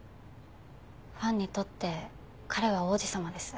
ファンにとって彼は王子様です。